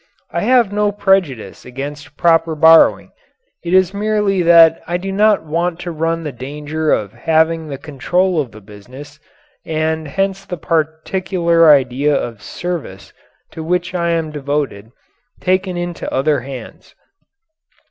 I have no prejudice against proper borrowing. It is merely that I do not want to run the danger of having the control of the business and hence the particular idea of service to which I am devoted taken into other hands.